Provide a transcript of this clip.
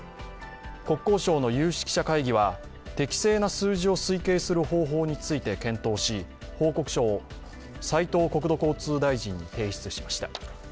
国交省の有識者会議は適正な数字を推計する方法について検討し、報告書を斉藤国土交通大臣に提出しました。